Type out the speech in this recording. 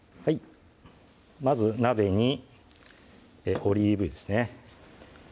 まず鍋にオリーブ油ですね